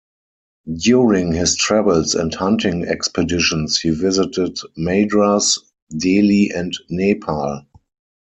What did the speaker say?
During his travels and hunting expeditions, he visited Madras, Delhi and Nepal.